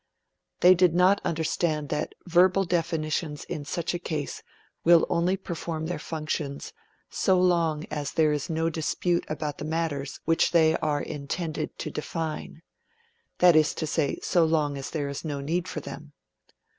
They did not understand that verbal definitions in such a case will only perform their functions so long as there is no dispute about the matters which they are intended to define: that is to say, so long as there is no need for them.